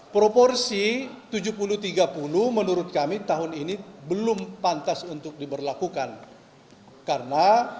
proporsi tujuh puluh tiga puluh menurut kami tahun ini belum pantas untuk diberlakukan karena